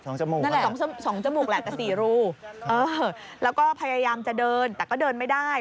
จมูกนั่นแหละสองสองจมูกแหละแต่สี่รูเออแล้วก็พยายามจะเดินแต่ก็เดินไม่ได้